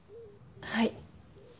はい。